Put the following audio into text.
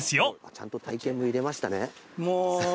ちゃんと体験も入れましたね。